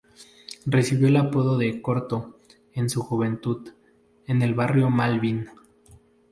Recibió el apodo de "Corto" en su juventud, en el barrio Malvín.